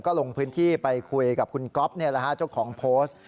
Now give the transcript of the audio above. ก็ลงพื้นที่ไปคุยกับคุณก๊อฟเจ้าของโพสต์